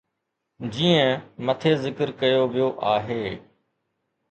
جيئن مٿي ذڪر ڪيو ويو آهي.